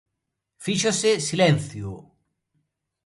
Fíxose silencio.